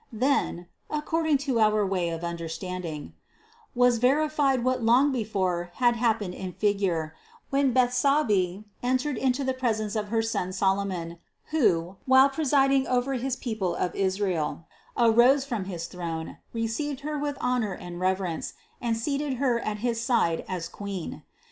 Then (according to our way of 268 CITY OF GOD understanding), was verified what long before had hap pened in figure, when Bethsabee entered into the presence of her son Solomon, who, while presiding over his people of Israel, arose from his throne, received her with honor and reverence, and seated her at his side as queen.